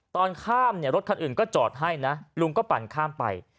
ตอนข้ามเนี่ยรถคันอื่นก็จอดให้นะลุงก็ปั่นข้ามไป